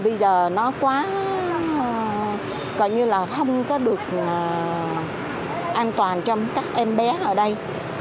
tại việc khu vực này gerne là trong cộng đồng mới hàng triệu